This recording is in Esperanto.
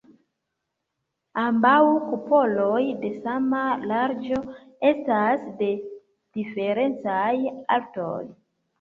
Ambaŭ kupoloj de sama larĝo estas de diferencaj altoj.